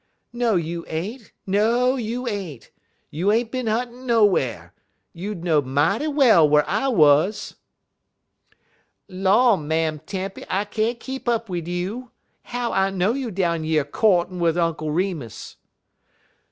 "No, you ain't no, you ain't. You ain't bin huntin' nowhar. You know'd mighty well whar I wuz." "Law, Mam' Tempy, I can't keep up wid you. How I know you down yer courtin' wid Unk Remus?"